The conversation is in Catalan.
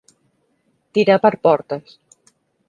Tirar per portes.